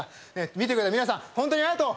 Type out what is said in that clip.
見てくれた皆さん本当にありがとう！